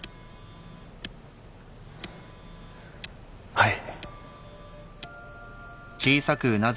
はい。